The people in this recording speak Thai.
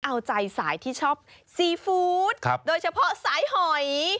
เอาใจสายที่ชอบซีฟู้ดโดยเฉพาะสายหอย